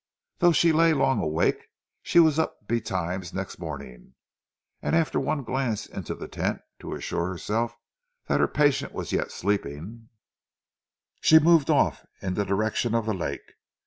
Though she lay long awake, she was up betimes next morning, and after one glance into the tent to assure herself that her patient was yet sleeping, she moved off in the direction of the lake.